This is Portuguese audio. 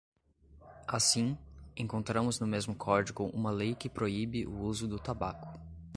Assim, encontramos no mesmo código uma lei que proíbe o uso do tabaco.